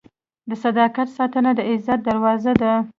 د صداقت ساتنه د عزت دروازه ده.